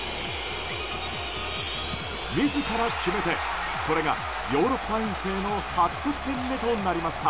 自ら決めて、これがヨーロッパ遠征の８得点目となりました。